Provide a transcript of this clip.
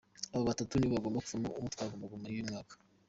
Abo batatu nibo bagomba kuvamo utwara Guma Guma y’uyu mwaka.